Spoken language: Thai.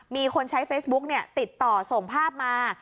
มีคนใช้เฟซบุ๊กติดต่อส่งภาพมา